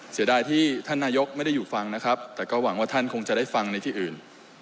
เสียดายที่ท่านนายกไม่ได้อยู่ฟังนะครับแต่ก็หวังว่าท่านคงจะได้ฟังในที่อื่น